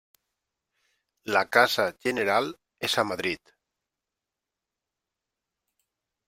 La casa general és a Madrid.